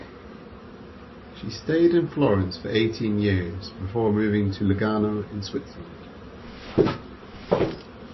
She stayed in Florence for eighteen years before moving to Lugano in Switzerland.